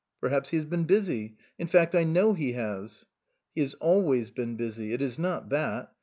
" Perhaps he has been busy in fact, I know he has." " He has always been busy. It is not that.